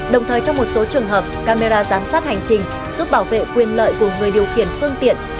đồng thời trong một số trường hợp camera giám sát hành trình giúp bảo vệ quyền lợi của người điều khiển phương tiện